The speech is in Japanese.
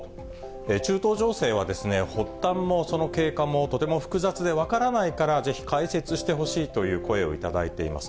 中東情勢は発端もその経過もとても複雑で分からないから、ぜひ解説してほしいという声を頂いています。